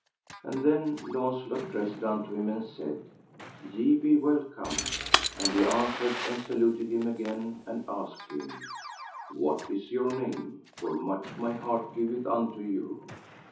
And then Launcelot dressed unto him, and said: Ye be welcome. And he answered and saluted him again, and asked him: What is your name? for much my heart giveth unto you.